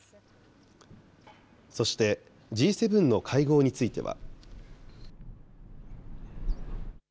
そして、Ｇ７の会合については。